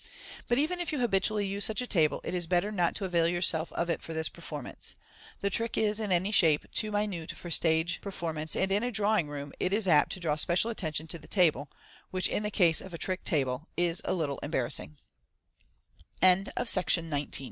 But even if you habitually use such a table, it is better not to avail yourself of it for this pur pose. The trick is, in any shape, too minute for stage performance, and in a drawing room it is apt to draw special attention to the table, which in the case of a trick table is a little embar ra